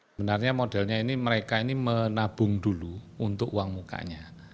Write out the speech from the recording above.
sebenarnya modelnya ini mereka ini menabung dulu untuk uang mukanya